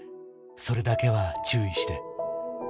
「それだけは注意して」